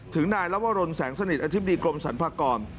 ถึงนายลวรนแสงสนิทอธิบดีกรมสรรพากร